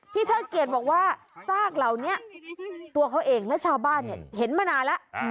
เทิดเกียจบอกว่าซากเหล่านี้ตัวเขาเองและชาวบ้านเห็นมานานแล้ว